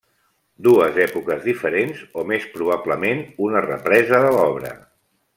Dues èpoques diferents o, més probablement una represa de l'obra.